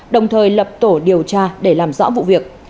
đồng thời lập tổ điều tra để làm rõ vụ việc